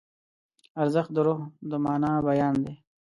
ارزښت د روح د مانا بیان دی.